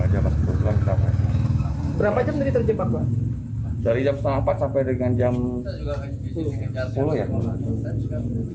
yang ketemu di sini berapa jam tadi terjebak pak